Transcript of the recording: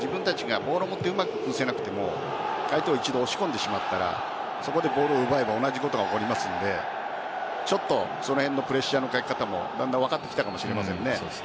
ボールを持って崩さなくても相手を一度押し込んでしまったらそこでボールを奪えば同じことが起こりますのでその辺のプレッシャーのかけ方も分かってきたかもしれませんね。